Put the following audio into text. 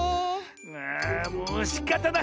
ああもうしかたない！